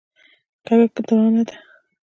کږه درانه ده.